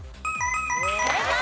正解！